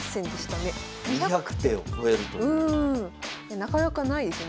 なかなかないですよね。